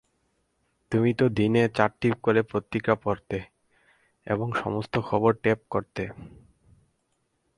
তুমি তো দিনে চারটি করে পত্রিকা পড়তে, এবং সমস্ত খবর টেপ করতে।